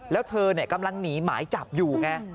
แล้วเธอกำลังหนีหมายจับอยู่ไง